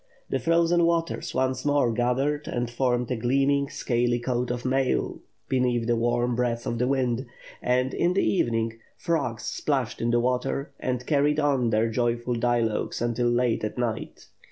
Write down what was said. The frozen waters once more gathered and formed a gleaming scaly coat of mail beneath the warm breath of the wind, and, in the evening, frogs splashed in the water and carried on their joyful dialogues until late at night.